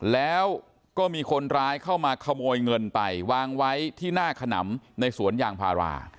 แล้วก็มีคนร้ายเข้ามาขโมยเงินไปวางไว้ที่หน้าขนำในสวนยางพารา